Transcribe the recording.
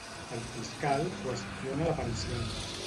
El fiscal qüestiona la pericial.